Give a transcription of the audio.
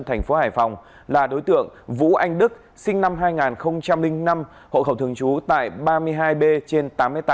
thành phố hải phòng là đối tượng vũ anh đức sinh năm hai nghìn năm hộ khẩu thường trú tại ba mươi hai b trên tám mươi tám